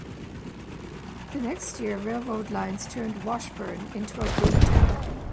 The next year, railroad lines turned Washburn into a boom town.